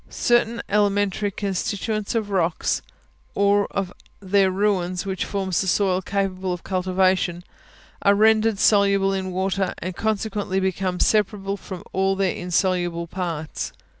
certain elementary constituents of rocks, or of their ruins, which form the soil capable of cultivation, are rendered soluble in water, and consequently become separable from all their insoluble parts.